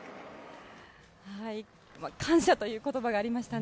感謝という言葉がありましたね。